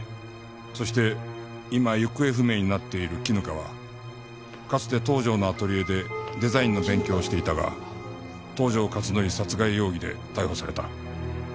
そして今行方不明になっている絹香はかつて東条のアトリエでデザインの勉強をしていたが東条克典殺害容疑で逮捕された。